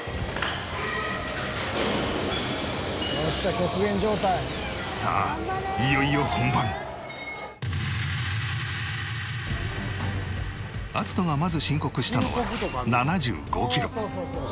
「よっしゃ極限状態」さあアツトがまず申告したのは７５キロ。